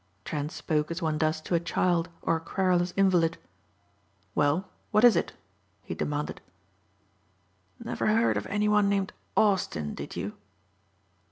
Trent spoke as one does to a child or a querulous invalid. "Well, what is it?" he demanded. "Never heard of any one named Austin, did you?"